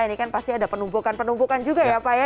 ini kan pasti ada penumpukan penumpukan juga ya pak ya